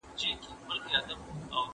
¬ چي وخت د ښکار سي تازي غولو ونيسي